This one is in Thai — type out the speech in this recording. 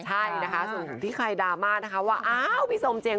ใช่นะคะส่วนที่ใครดราม่านะคะว่าอ้าวพี่สมจริง